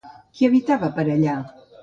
Qui habitava per allà?